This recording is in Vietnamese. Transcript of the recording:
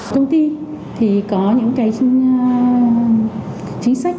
công ty thì có những cái chính sách